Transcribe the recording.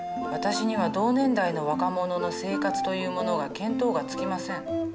私には同年代の若者の生活というものが見当がつきません。